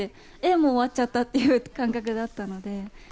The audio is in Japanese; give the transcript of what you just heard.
もう終わっちゃった？っていう感覚だったので。